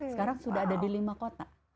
sekarang sudah ada di lima kota